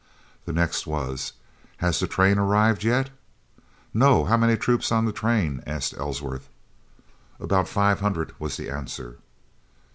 The next was: "Has the train arrived yet?" "No. How many troops on train?" asked Ellsworth. "About five hundred," was the answer.